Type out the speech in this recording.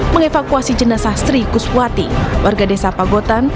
mengevakuasi jenazah sri kuswati warga desa pagotan